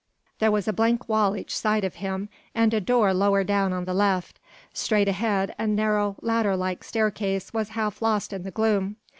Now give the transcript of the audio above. There was a blank wall each side of him, and a door lower down on the left; straight ahead a narrow ladder like staircase was half lost in the gloom.